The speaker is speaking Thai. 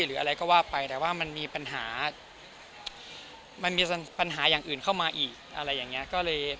หรืออะไรก็ว่าไปแต่ว่ามันมีปัญหาอย่างอื่นเข้ามาอีก